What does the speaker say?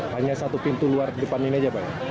hanya satu pintu luar depan ini aja pak